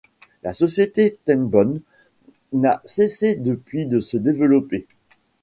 La société Tengbom n'a cessé depuis de se développer.